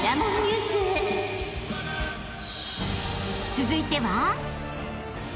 ［続いては］